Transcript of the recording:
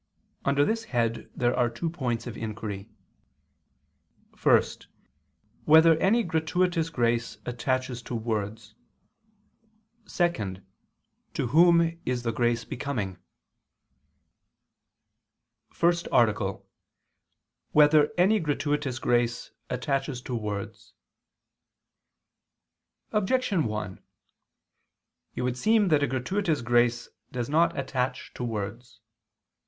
Under this head there are two points of inquiry: (1) Whether any gratuitous grace attaches to words? (2) To whom is the grace becoming? _______________________ FIRST ARTICLE [II II, Q. 177, Art. 1] Whether Any Gratuitous Grace Attaches to Words? Objection 1: It would seem that a gratuitous grace does not attach to words.